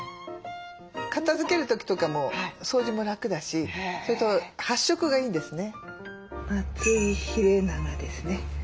片づける時とかも掃除も楽だしそれと発色がいいんですね。